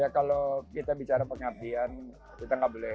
ya kalau kita bicara pengabdian kita nggak boleh